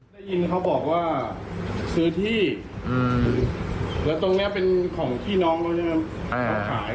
ได้ยินเขาบอกว่าซื้อที่จริงปิดตรงนี้เป็นของขี้น้องเขาใช่มั้ย